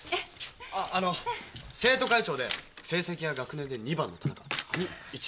あっあの生徒会長で成績が学年で２番の田中に１番の立松。